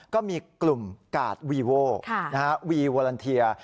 ก็มีกลุ่มกาดวีโววีวอลันเทีย